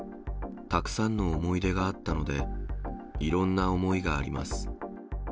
たくさんの思い出があったので、いろんな思いがあります。